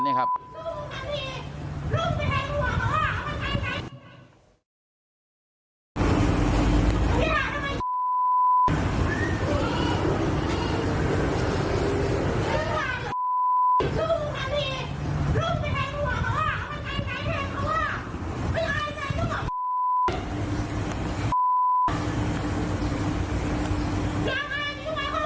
อย่างไรที่ทุกคนก็หัวไหว